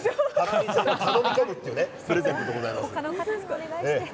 お願いします！